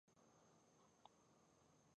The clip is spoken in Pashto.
قلندر په غرغره کړئ قلندر اشتراکي دی.